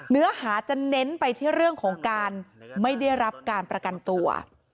เนื้อหาจะเน้นไปที่เรื่องของการไม่ได้รับการประกันตัว